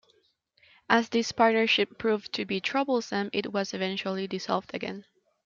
As this partnership proved to be troublesome, it was eventually dissolved again.